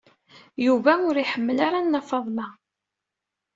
Yuba ur iḥemmel ara Nna Faḍma.